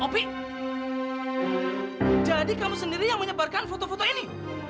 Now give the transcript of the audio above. tapi jadi kamu sendiri yang menyebarkan foto foto ini